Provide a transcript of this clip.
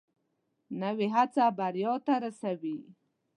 نوې هڅه بریا ته رسوي